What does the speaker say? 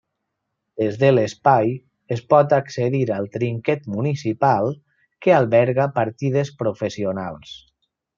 Des de l'espai es pot accedir al trinquet municipal, que alberga partides professionals.